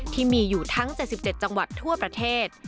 ที่มีอยู่ทั้ง๗๗จังหวัดทั่วประเทศ